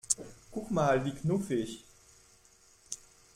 Guck mal, wie knuffig!